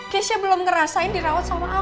keisha belum ngerasain dirawat sama apa